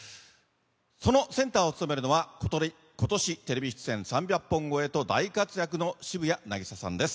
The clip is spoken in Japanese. そのセンターを務めるのは今年テレビ出演３００本超えと大活躍の渋谷凪咲さんです。